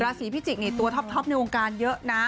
สีพิจิกษ์ตัวท็อปในวงการเยอะนะ